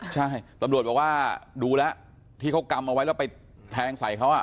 ใช่ตำรวจบอกว่าดูแล้วที่เขากำเอาไว้แล้วไปแทงใส่เขา